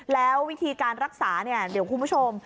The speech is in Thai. แล้ววิธีการรักษาเนี่ยเดี๋ยวคุณผู้ชม